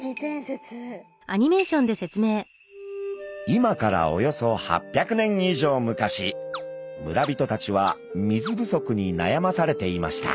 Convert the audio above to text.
今からおよそ８００年以上昔村人たちは水不足になやまされていました。